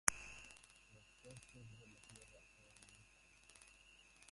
Los costes de la guerra fueron muy altos.